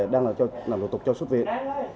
đang là lục tục cho xuất viện